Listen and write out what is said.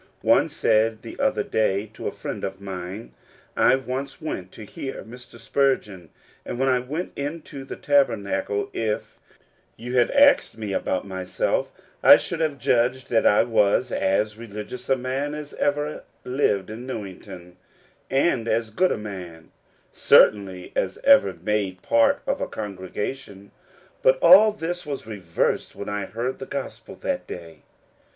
One said the other day to a friend of mine :" I once went to hear Mr. Spurgeon, and when I went into the Tabernacle if you had asked me about myself I should have judged that I was as religious a man as ever lived in Newington, and as good a man, certainly, as ever made part of a congregation ; but all this was reversed when I heard the gospel that day.